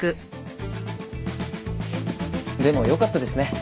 でもよかったですね。